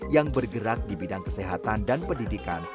yang bergerak di bidang kesehatan dan pendidikan